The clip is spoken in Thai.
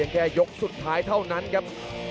แค่ยกสุดท้ายเท่านั้นครับ